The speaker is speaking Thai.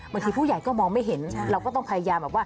บางทีผู้ใหญ่ก็มองไม่เห็นเราก็ต้องพยายาม